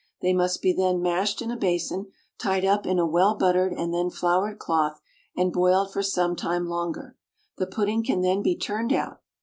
They must be then mashed in a basin, tied up in a well buttered and then floured cloth, and boiled for some time longer. The pudding can then be turned out.